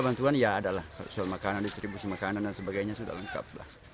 bantuan ya ada lah soal makanan distribusi makanan dan sebagainya sudah lengkap